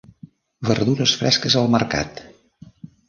Verdures fresques al mercat.